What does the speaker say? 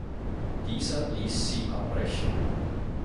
Dieser ließ sie abbrechen.